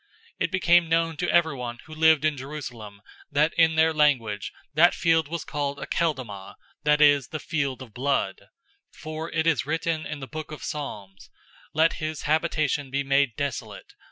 001:019 It became known to everyone who lived in Jerusalem that in their language that field was called 'Akeldama,' that is, 'The field of blood.' 001:020 For it is written in the book of Psalms, 'Let his habitation be made desolate.